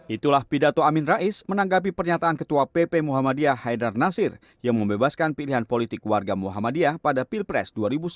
itulah pidato amin rais menanggapi pernyataan ketua pp muhammadiyah haidar nasir yang membebaskan pilihan politik warga muhammadiyah pada pilpres dua ribu sembilan belas